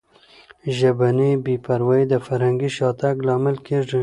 ژبني بې پروایي د فرهنګي شاتګ لامل کیږي.